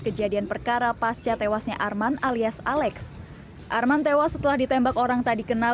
kejadian perkara pasca tewasnya arman alias alex arman tewas setelah ditembak orang tak dikenal